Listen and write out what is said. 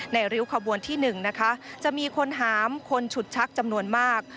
ริ้วขบวนที่๑นะคะจะมีคนหามคนฉุดชักจำนวนมาก